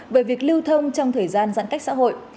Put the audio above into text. về việc lưu thông trong thời gian giãn cách xã hội